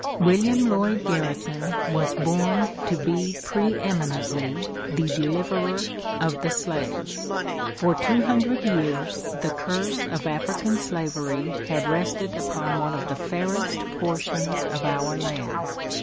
William Lloyd Garrison was born to be preëminently the deliverer of the slave. For two hundred years the curse of African slavery had rested upon one of the fairest portions of our land.